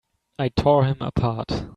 I tore him apart!